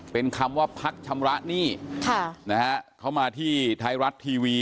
เป็นคำว่าพักชำระหนี้ค่ะนะฮะเขามาที่ไทยรัฐทีวี